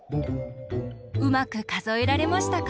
うまくかぞえられましたか？